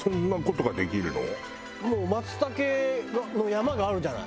もう松茸の山があるじゃない。